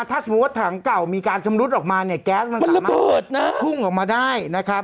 ถ้าสมมุติว่าถังเก่ามีการชำรุดออกมาเนี่ยแก๊สมันสามารถพุ่งออกมาได้นะครับ